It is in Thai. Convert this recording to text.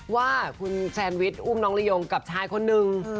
ว่าคุณแซนวิชอุ้มน้องละยงกับชายคนนึง